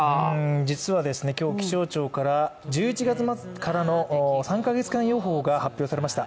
実は、今日、気象庁から１１月末からの３か月間予報が発表されました。